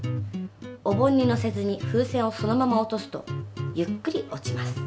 お盆にのせずに風船をそのまま落とすとゆっくり落ちます。